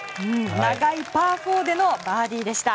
長いパー４でのバーディーでした。